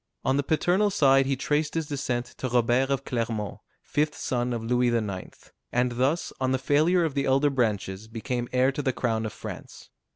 On the paternal side he traced his descent to Robert of Clermont, fifth son of Louis IX., and thus, on the failure of the elder branches, became heir to the crown of France.